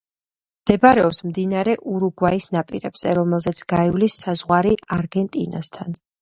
მდებარეობს მდინარე ურუგვაის ნაპირებზე, რომელზეც გაივლის საზღვარი არგენტინასთან.